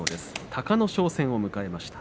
隆の勝戦を迎えました。